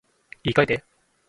言い換えて